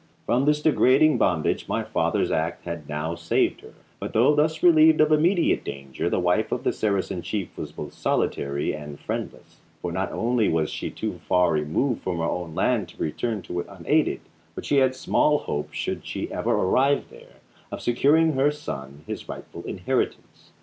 From this degrading bondage my father's act had now saved her; but though thus relieved of immediate danger, the wife of the Saracen chief was both solitary and friendless, for not only was she too far removed from her own land to return to it unaided, but she had small hope, should she ever arrive there, of securing for her son his rightful inheritance.